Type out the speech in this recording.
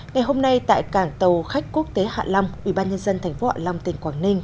ngày hôm nay tại cảng tàu khách quốc tế hạ lâm ubnd tp hcm tỉnh quảng ninh